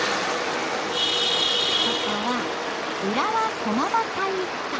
ここは浦和駒場体育館。